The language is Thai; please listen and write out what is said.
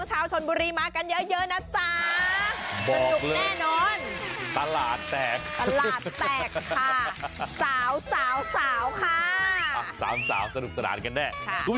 สาวสนุกสลานกันได้